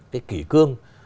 cái kỷ cương